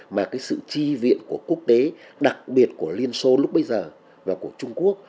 mà cái sự chi viện của quốc tế đặc biệt của liên xô lúc bây giờ và của trung quốc